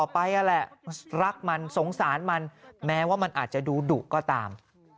ไปนั่นแหละรักมันสงสารมันแม้ว่ามันอาจจะดูดุก็ตาม